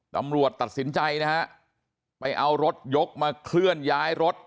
ตำรวจตัดสินใจนะฮะไปเอารถยกมาเคลื่อนย้ายรถ